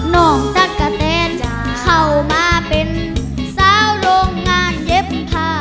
จากกะแตนจะเข้ามาเป็นสาวโรงงานเย็บผ้า